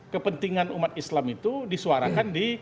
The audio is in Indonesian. kepentingan umat islam itu disuarakan di